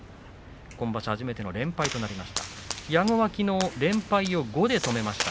今場所初めての連敗となりました。